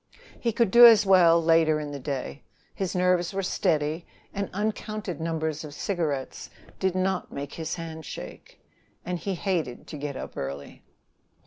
He could do as well later in the day, his nerves were steady, and uncounted numbers of cigarettes did not make his hand shake, and he hated to get up early.